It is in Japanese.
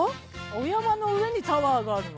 お山の上にタワーがあるのね。